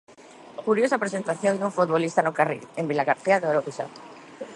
Curiosa presentación dun futbolista no Carril, en Vilagarcía de Arousa.